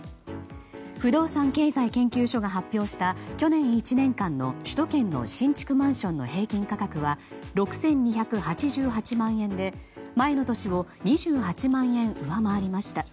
不動産経済研究所が発表した去年１年間の首都圏の新築マンションの平均価格は６２８８万円で前の年を２８万円上回りました。